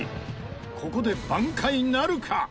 ここで挽回なるか！？